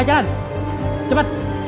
ayo jalan diam diam